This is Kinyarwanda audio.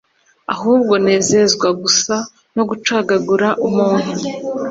ahubwo zinezezwa gusa no gucagagura umuntu